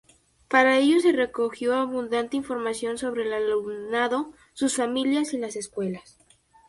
Para ello se recogió abundante información sobre el alumnado, sus familias y las escuelas.